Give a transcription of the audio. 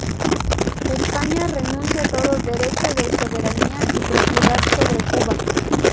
España renuncia todo derecho de soberanía y propiedad sobre Cuba.